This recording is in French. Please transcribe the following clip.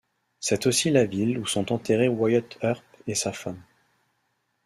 C'est aussi la ville où sont enterrés Wyatt Earp et sa femme.